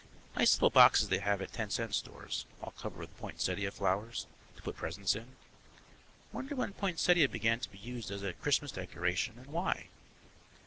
Nice little boxes they have at the ten cent stores, all covered with poinsettia flowers, to put presents in. Wonder when poinsettia began to be used as a Christmas decoration and why?